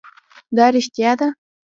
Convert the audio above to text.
دا رښتیا ده.